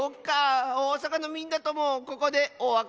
おおさかのみんなともここでおわかれなんスねえ。